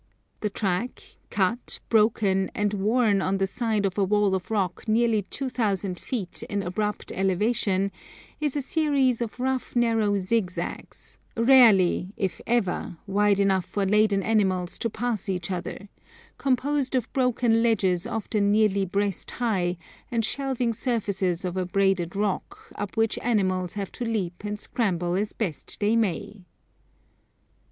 The track, cut, broken, and worn on the side of a wall of rock nearly 2,000 feet in abrupt elevation, is a series of rough narrow zigzags, rarely, if ever, wide enough for laden animals to pass each other, composed of broken ledges often nearly breast high, and shelving surfaces of abraded rock, up which animals have to leap and scramble as best they may.